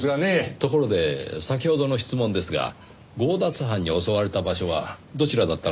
ところで先ほどの質問ですが強奪犯に襲われた場所はどちらだったのでしょう？